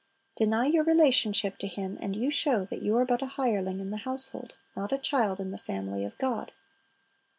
Deny your relationship to him, and you show that you are but a hireling in the household, not a child in the family of God.